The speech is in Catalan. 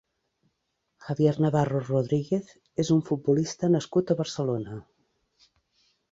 Javier Navarro Rodríguez és un futbolista nascut a Barcelona.